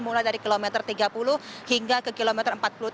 mulai dari kilometer tiga puluh hingga ke kilometer empat puluh tujuh